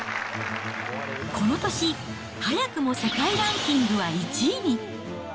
この年、早くも世界ランキングは１位に。